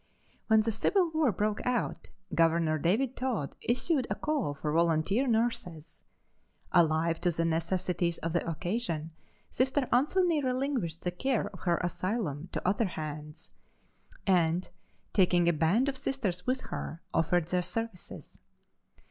When the Civil war broke out Governor David Tod issued a call for volunteer nurses. Alive to the necessities of the occasion, Sister Anthony relinquished the care of her asylum to other hands and, taking a band of Sisters with her, offered their services.